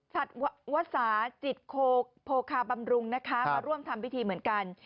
สัตวสาจิตโคโพคาบำรุงมาร่วมทำพิธีเหมือนกัน